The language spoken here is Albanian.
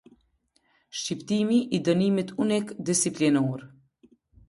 Shqiptimi i dënimit unik disiplinor.